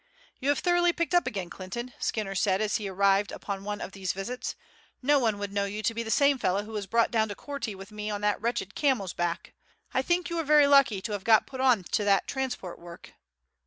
"You have thoroughly picked up again, Clinton," Skinner said as he arrived upon one of these visits. "No one would know you to be the same fellow who was brought down to Korti with me on that wretched camel's back. I think you are very lucky to have got put on to that transport work."